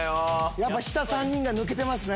やっぱ下３人が抜けてますね。